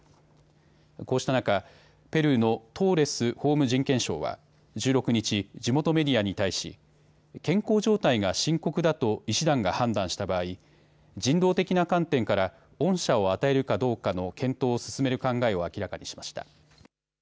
こうした中、ペルーのトーレス法務人権相は１６日、地元メディアに対し健康状態が深刻だと医師団が判断した場合、人道的な観点から恩赦を与えるかどうかの検討を進める考えを明らかにしました。